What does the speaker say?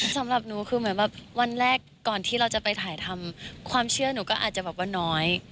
สำหรับหนูคือเหมือนแบบวันแรกก่อนที่เราจะไปถ่ายทำความเชื่อหนูก็อาจจะแบบว่าน้อย